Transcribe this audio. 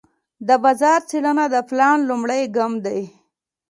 د بازار څېړنه د پلان لومړی ګام دی.